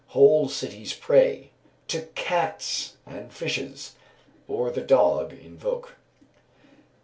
Whole cities pray To cats and fishes, or the dog invoke."